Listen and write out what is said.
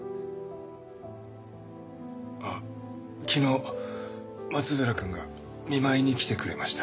あっ昨日松寺君が見舞いに来てくれました。